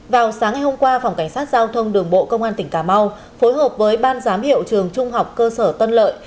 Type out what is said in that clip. vào sáng ngày hôm qua phòng cảnh sát giao thông đường bộ công an tỉnh cà mau phối hợp với ban giám hiệu trường trung học cơ sở tân lợi